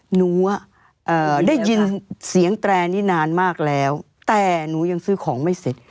หนูได้ยินเสียงแตรนี้นานมากแล้วแต่หนูยังซื้อของไม่เสร็จ